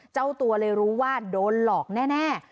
เจ้าตัวเลยรู้ว่าโดนหลอกแน่